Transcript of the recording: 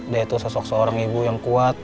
dia itu sosok seorang ibu yang kuat